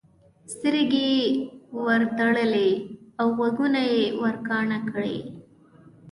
سترګې یې ورتړلې او غوږونه یې ورکاڼه کړي.